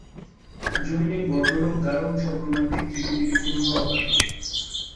জনৈক ভদ্রলোক দারুণ সব রোমান্টিক চিঠি লিখেছে নীলু আপাকে।